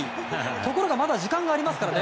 ところがまだ時間がありますからね。